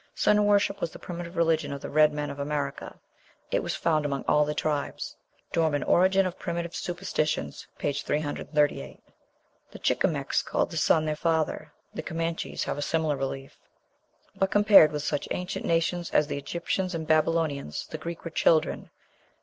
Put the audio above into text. Sun worship was the primitive religion of the red men of America. It was found among all the tribes. (Dorman, "Origin of Primitive Superstitions," p. 338.) The Chichimecs called the sun their father. The Comanches have a similar belief. But, compared with such ancient nations as the Egyptians and Babylonians, the Greeks were children.